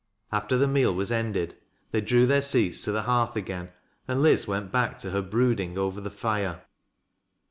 After the meal was ended they drew their seats to the hearth again, and Liz went back to her brooding over the fire.